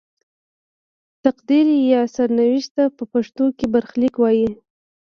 تقدیر یا سرنوشت ته په پښتو کې برخلیک وايي.